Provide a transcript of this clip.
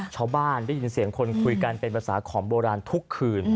ได้ยินเสียงคนคุยกันเป็นภาษาของโบราณทุกคืน